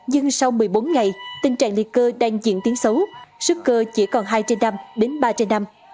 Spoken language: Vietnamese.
nhưng sau một mươi bốn ngày tình trạng liệt cơ đang diễn tiến xấu sức cơ chỉ còn hai trên năm đến ba trên năm